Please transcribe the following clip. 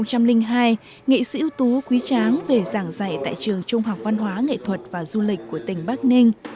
năm hai nghìn hai nghệ sĩ ưu tú quý tráng về giảng dạy tại trường trung học văn hóa nghệ thuật và du lịch của tỉnh bắc ninh